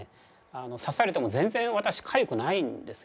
刺されても全然私かゆくないんですよ。